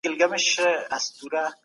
دوی به د ټولني بشپړ خدمت وکړي.